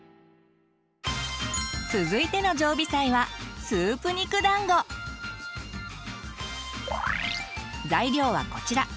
続いての常備菜は材料はこちら。